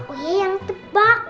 uya yang tebak